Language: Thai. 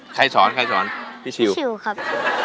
ใครสอนพี่ธิวครับพธิวครับ